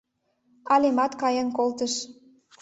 Алемат каен колтыш.